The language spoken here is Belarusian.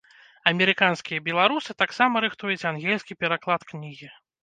Амерыканскія беларусы таксама рыхтуюць ангельскі пераклад кнігі.